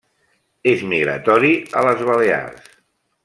És migratori a les Balears.